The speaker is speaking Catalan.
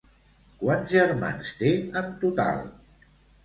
Quants germans té en total?